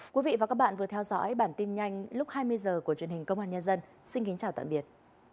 đây là bản tin nhanh lúc hai mươi h của truyền hình công an nhân dân xin kính chào tạm biệt